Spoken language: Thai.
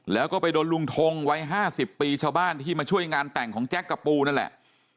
แล้วก็ไปโดนลุงทงวัย๕๐ปีชาวบ้านที่มาช่วยงานแต่งของแจ๊คกับปูนั่นแหละ